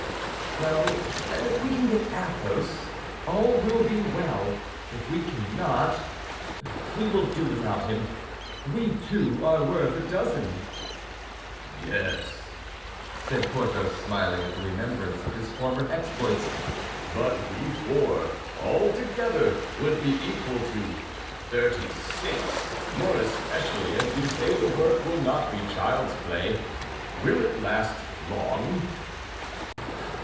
"Well then, if we can get Athos, all will be well. If we cannot, we will do without him. We two are worth a dozen." "Yes," said Porthos, smiling at the remembrance of his former exploits; "but we four, altogether, would be equal to thirty six, more especially as you say the work will not be child's play. Will it last long?"